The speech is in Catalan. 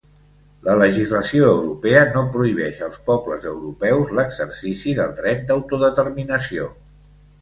La legislació europea no prohibeix als pobles europeus l’exercici del dret d’autodeterminació.